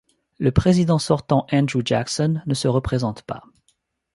Le président sortant, Andrew Jackson, ne se représente pas.